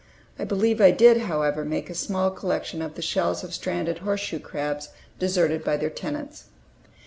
I believe I did, however, make a small collection of the shells of stranded horseshoe crabs deserted by their tenants.